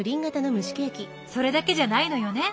それだけじゃないのよね。